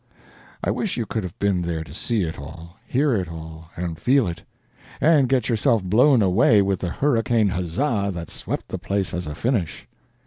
I wish you could have been there to see it all, hear it all, and feel it: and get yourself blown away with the hurricane huzza that swept the place as a finish.